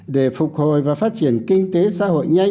để phục hồi và phát triển kinh tế xã hội nhanh